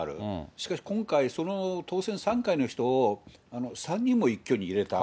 しかし今回、その当選３回の人を３人も一挙に入れた。